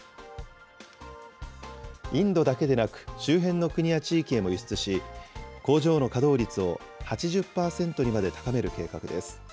インドだけでなく、周辺の国や地域へも輸出し、工場の稼働率を８０％にまで高める計画です。